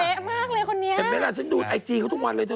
มากเลยคนนี้เห็นไหมล่ะฉันดูไอจีเขาทุกวันเลยเธอ